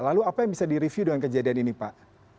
lalu apa yang bisa direview dengan kejadian ini pak